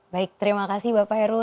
baik terima kasih bapak heru